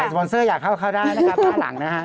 สปอนเซอร์อยากเข้าได้นะครับด้านหลังนะฮะ